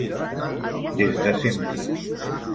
Des de sempre.